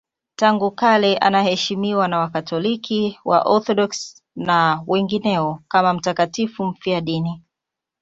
Tangu kale anaheshimiwa na Wakatoliki, Waorthodoksi na wengineo kama mtakatifu mfiadini.